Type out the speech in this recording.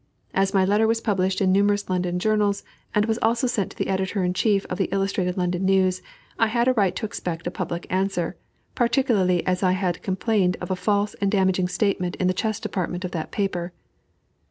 As my letter was published in numerous London journals, and was also sent to the editor in chief of the Illustrated London News, I had a right to expect a public answer, particularly as I had complained of a false and damaging statement in the chess department of that paper.